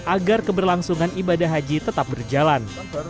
agar keberlangsungan ibadah haji tetap berjalan